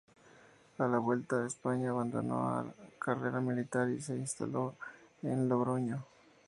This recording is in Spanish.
A la vuelta a España abandonó la carrera militar y se instaló en Logroño.